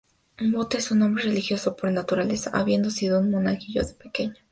Booth es un hombre religioso por naturaleza, habiendo sido un Monaguillo de pequeño.